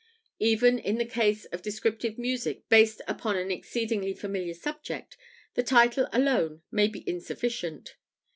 Even in the case of descriptive music based upon an exceedingly familiar subject, the title alone may be insufficient.